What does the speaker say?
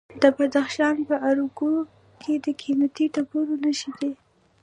د بدخشان په ارګو کې د قیمتي ډبرو نښې دي.